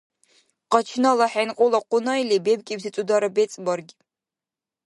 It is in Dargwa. Къачнала хӀенкьула Кьуннайли бебкӀибси цӀудара бецӀ баргиб.